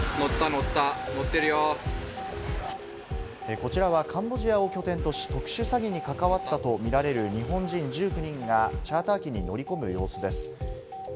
こちらはカンボジアを拠点とし、特殊詐欺に関わったとみられる日本人１９人がチャーター機に乗り込む様子です。